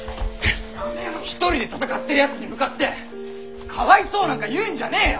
１人で戦ってるやつに向かってかわいそうなんか言うんじゃねえよ！